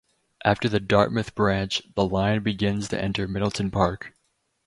After the Dartmouth Branch, the line begins to enter Middleton Park.